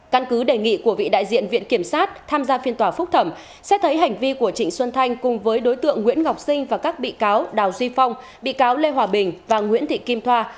căn cứ đề nghị của vị đại diện viện kiểm sát tham gia phiên tòa phúc thẩm xét thấy hành vi của trịnh xuân thanh cùng với đối tượng nguyễn ngọc sinh và các bị cáo đào duy phong bị cáo lê hòa bình và nguyễn thị kim thoa